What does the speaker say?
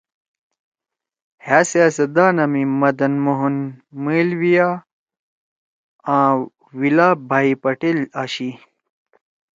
ہأ سیاستدانا می مدَن موہن ملیویا (Madan Mohan Malaviya) آں ولَاب بھائی پٹیل (Vallabhbhai Patel) آشی